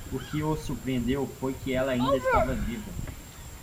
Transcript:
O que o surpreendeu foi que ela ainda estava viva.